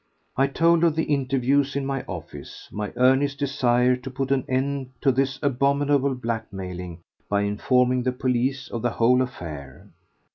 I told of the interviews in my office, my earnest desire to put an end to this abominable blackmailing by informing the police of the whole affair.